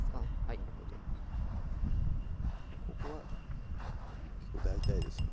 なるほどここは結構大体ですよね